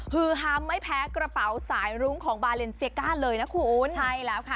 ฮือฮามไม่แพ้กระเป๋าสายรุ้งของบาเลนเซียก้าเลยนะคุณใช่แล้วค่ะ